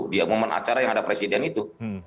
di momen acara yang ada presiden itu